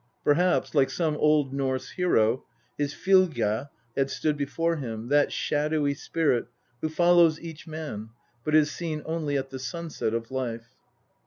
Perhaps, like some old Norse hero, his fylgja has stood before him that shadowy spirit who follows each man, but is seen only at the sunset of life.